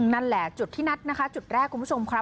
นั่นแหละจุดที่นัดนะคะจุดแรกคุณผู้ชมครับ